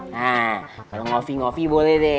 nah kalau ngopi ngopi boleh deh